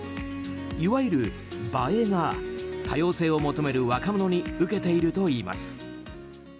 いわゆる映えが多様性を求める若者に受けているといいます。